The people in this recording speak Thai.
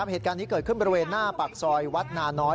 เหตุการณ์นี้เกิดขึ้นบริเวณหน้าปากซอยวัดนาน้อย